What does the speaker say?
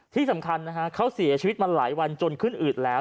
ที่สำคัญนะฮะเขาเสียชีวิตมาหลายวันจนขึ้นอืดแล้ว